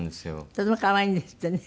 とても可愛いんですってね。